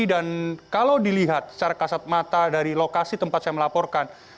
dan kalau dilihat secara kasat mata dari lokasi tempat saya melaporkan